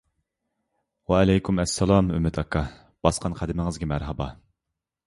ۋەئەلەيكۇم ئەسسالام ئۈمىد ئاكا، باسقان قەدىمىڭىزگە مەرھابا!